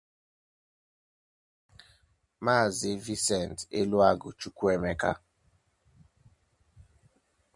Maazị Vincent Eluagu Chukwuemeka